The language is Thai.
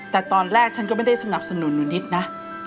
แต่ตอนแรกฉันก็ไม่ได้สนับสนุนหนูนิดนะ